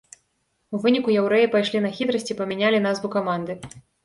У выніку яўрэі пайшлі на хітрасць і памянялі назву каманды.